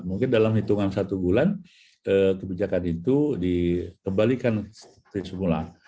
mungkin dalam hitungan satu bulan kebijakan itu dikembalikan semula